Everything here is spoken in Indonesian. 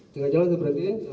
tengah jalan saya berhentiin